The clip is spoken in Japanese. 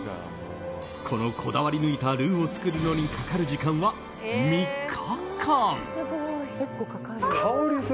このこだわり抜いたルーを作るのにかかる時間は３日間。